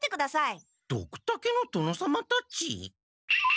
ドクタケの殿様たち？